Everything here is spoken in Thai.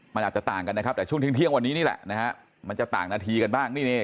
มันอาจจะต่างกันนะครับแต่ช่วงเที่ยงวันนี้นี่แหละนะฮะมันจะต่างนาทีกันบ้าง